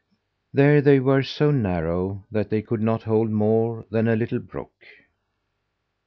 There they were so narrow that they could not hold more than a little brook.